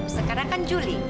sekarang kan julie